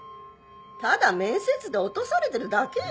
ただ面接で落とされてるだけよ